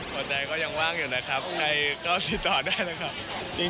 หัวใจก็ยังว่างอยู่นะครับไงก็ติดต่อได้เลยครับ